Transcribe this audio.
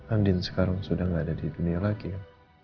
andin sekarang sudah tidak ada di dunia lagi ya